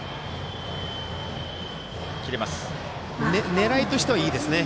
狙いとしてはいいですね。